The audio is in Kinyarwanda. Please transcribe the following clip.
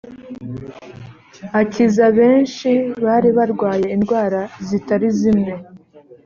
akiza benshi bari barwaye indwara zitari zimwe